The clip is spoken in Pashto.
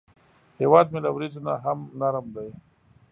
هیواد مې له وریځو نه هم نرم دی